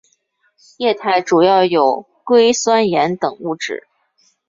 液态主要有硅酸盐等物质。